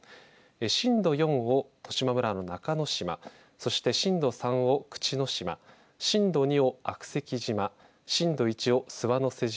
震度４を十島村の中之島そして、震度３を口之島震度２を悪石島震度１を諏訪瀬島